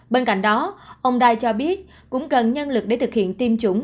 bên cạnh đó ông đai cho biết cũng cần nhân lực để thực hiện tiêm chủng